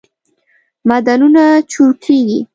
معدنونه چورکیږی